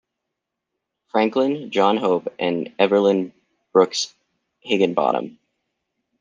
Franklin, John Hope, and Evelyn Brooks Higginbotham.